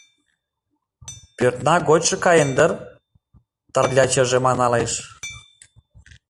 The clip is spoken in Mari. Пӧртна гочшо каен дыр...» Тарлячыже маналеш.